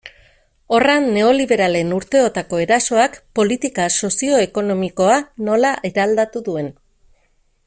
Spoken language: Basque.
Horra neoliberalen urteotako erasoak politika sozio-ekonomikoa nola eraldatu duen.